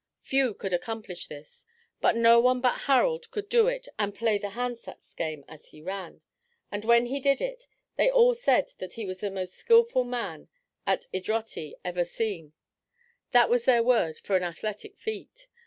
Few could accomplish this, but no one but Harald could do it and play the handsax game as he ran; and when he did it, they all said that he was the most skilful man at idrottie ever seen. That was their word for an athletic feat.